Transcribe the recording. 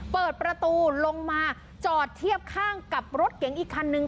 เปิดประตูลงมาจอดเทียบข้างกับรถเก๋งอีกคันนึง